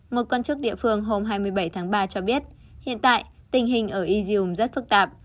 một quan chức địa phương hôm hai mươi bảy tháng ba cho biết hiện tại tình hình ở izium rất phức tạp